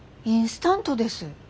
インスタントです。